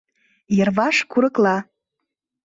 Йырваш курыкла.